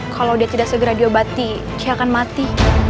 kalau dia tidak segera diobati dia akan mati